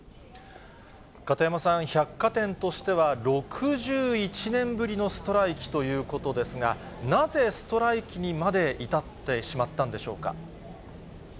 片山さん、百貨店としては６１年ぶりのストライキということですが、なぜストライキにまで至ってしまったんでしょうか。